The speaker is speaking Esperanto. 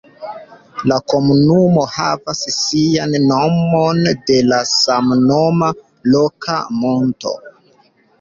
La komunumo havas sian nomon de samnoma loka monto.